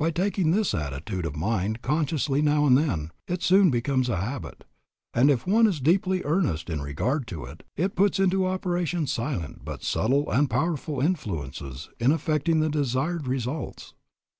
By taking this attitude of mind consciously now and then, it soon becomes a habit, and if one is deeply in earnest in regard to it, it puts into operation silent but subtle and powerful influences in effecting the desired results.